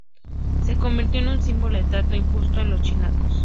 Se convirtió en un símbolo del trato injusto de los chicanos.